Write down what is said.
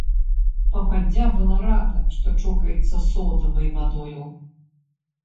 Пападдзя была рада, што чокаецца содавай вадою.